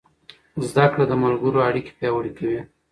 زده کړه د ملګرو اړیکې پیاوړې کوي.